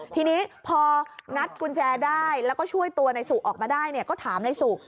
ทีนี้พองัดกุญแจได้แล้วก็ช่วยตัวนายสุออกมาได้เนี่ยก็ถามนายสุ